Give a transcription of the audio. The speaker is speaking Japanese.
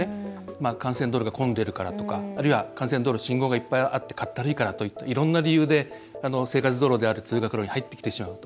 幹線道路が混んでるとかあるいは幹線道路信号がいっぱいあってかったるいからとかいろいろな理由で生活道路である通学路に入ってきてしまう。